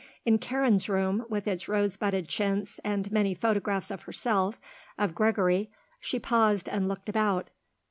In Karen's room, with its rose budded chintz and many photographs of herself, of Gregory, she paused and looked about.